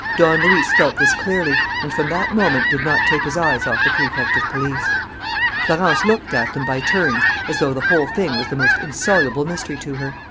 Don Luis felt this clearly and, from that moment, did not take his eyes off the Prefect of Police. Florence looked at them by turns as though the whole thing was the most insoluble mystery to her.